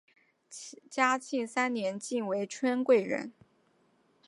嘉庆三年晋为春贵人。